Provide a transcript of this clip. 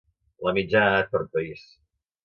La mitjana d'edat per país.